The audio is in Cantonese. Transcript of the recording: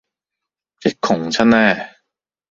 一窮親呢